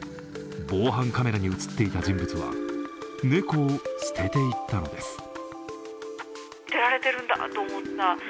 防犯カメラに映っていた人物は猫を捨てていったのです。